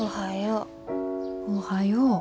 おはよう。